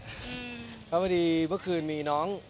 เพราะวันดีเมื่อคืนมีน้อง